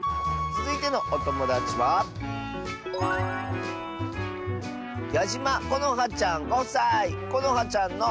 つづいてのおともだちはこのはちゃんの。